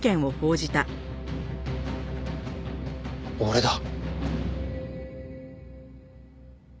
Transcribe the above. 俺だ。